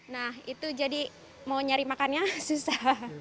nah itu jadi mau nyari makannya susah